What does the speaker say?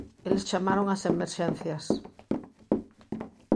Eles chamaron ás emerxencias.